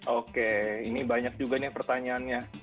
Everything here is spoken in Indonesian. oke ini banyak juga nih pertanyaannya